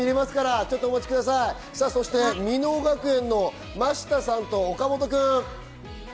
そして箕面学園の眞下さんと岡本くん。